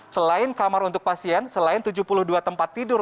selain kamar untuk pasien selain tujuh puluh dua tempat tidur